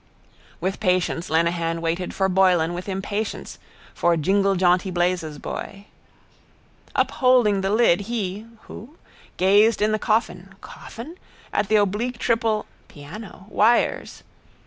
With patience Lenehan waited for Boylan with impatience, for jinglejaunty blazes boy. Upholding the lid he (who?) gazed in the coffin (coffin?) at the oblique triple (piano!) wires.